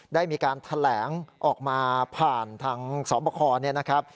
ได้มีการแถลงออกมาผ่านทางสมควร